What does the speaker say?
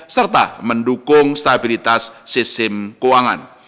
serta mendukung stabilitas sistem keuangan